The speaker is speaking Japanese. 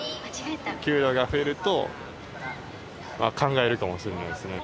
給料が増えると、考えるかもしれないですね。